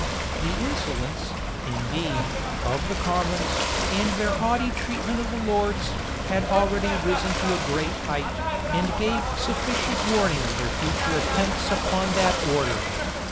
The insolence, indeed, of the commons, and their haughty treatment of the lords, had already risen to a great height, and gave sufficient warning of their future attempts upon that order.